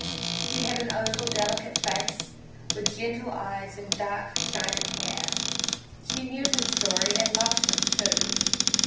She had an oval, delicate face, with gentle eyes and dark, shining hair. She knew his story and loved him, too.